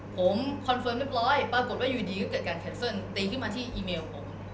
ผมคอนเฟิร์มเรียบร้อยปรากฏว่าอยู่ดีก็เกิดการแคนเซิลตีขึ้นมาที่อีเมลผม